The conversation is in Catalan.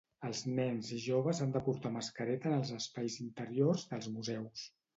Els nens i joves han de portar mascareta en els espais interiors dels museus.